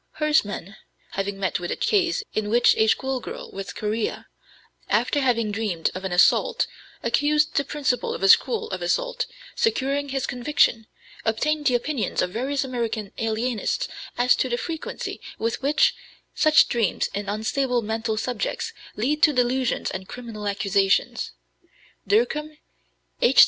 Hersman having met with a case in which a school girl with chorea, after having dreamed of an assault, accused the principal of a school of assault, securing his conviction obtained the opinions of various American alienists as to the frequency with which such dreams in unstable mental subjects lead to delusions and criminal accusations. Dercum, H.